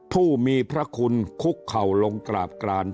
ผู้มีพระคุณคุกเข่าลงกราบกราน